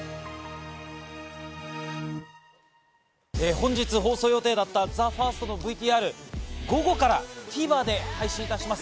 本日、放送予定だったＴＨＥＦＩＲＳＴのＶＴＲ、午後からＴＶｅｒで配信します。